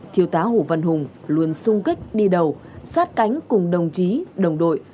thiếu tá hồ văn hùng luôn sung kích đi đầu sát cánh cùng đồng chí đồng đội